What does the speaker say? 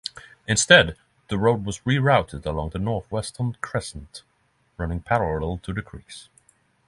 Instead, the road was rerouted along a north-western crescent running parallel to the creeks.